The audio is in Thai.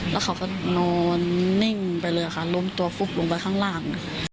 แล้วเขาก็นอนนิ่งไปเลยค่ะล้มตัวฟุบลงไปข้างล่าง